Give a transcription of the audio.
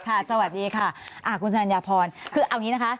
ค่ะสวัสดีค่ะคุณศัลย์ยาพรคือเอาอย่างนี้นะคะ